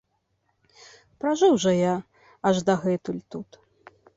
Пражыў жа я аж дагэтуль тут.